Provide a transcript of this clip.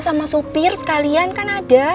sama supir sekalian kan ada